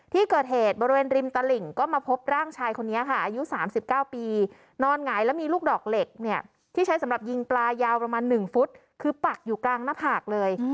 ที่เกิดเหตุบริเวณริมตลิ่งก็มาพบร่างชายคนนี้ค่ะอายุ๓๙ปีนอนหงายแล้วมีลูกดอกเหล็กเนี่ยที่ใช้สำหรับยิงปลายาวประมาณ๑ฟุตคือปักอยู่กลางหน้าผากเลย